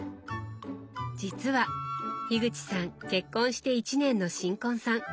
実は口さん結婚して１年の新婚さん。